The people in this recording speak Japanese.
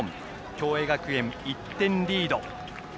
共栄学園、１点リード。